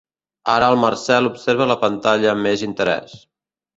Ara el Marcel observa la pantalla amb més interès.